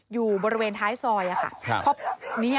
อยู่บริเวณท้ายซอยค่ะ